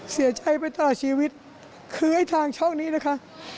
เสียใจไปตลอดชีวิตคือไอ้ทางช่องนี้นะคะ